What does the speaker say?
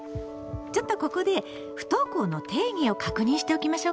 ちょっとここで不登校の定義を確認しておきましょうか。